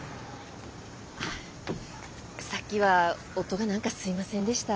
さっきは夫が何かすいませんでした。